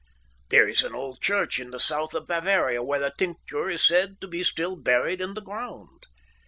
There is an old church in the south of Bavaria where the tincture is said to be still buried in the ground.